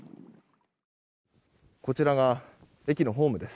こちらが駅のホームです。